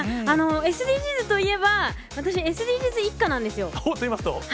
ＳＤＧｓといえば、私、ＳＤＧｓ一家なんですよ。といいますと？